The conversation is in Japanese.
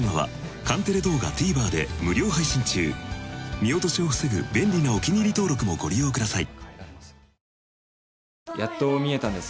見落としを防ぐ便利なお気に入り登録もご利用ください。